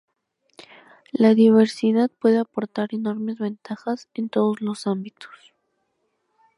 La diversidad puede aportar enormes ventajas en todos los ámbitos.